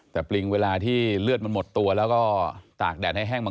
แต่ปริงเวลาที่เลือดมันหมดตัวแล้วก็ตากแดดให้แห้งมา